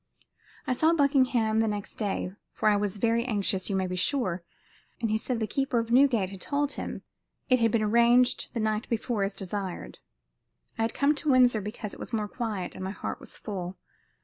"I saw Buckingham the next day, for I was very anxious, you may be sure, and he said the keeper of Newgate had told him it had been arranged the night before as desired. I had come to Windsor because it was more quiet, and my heart was full.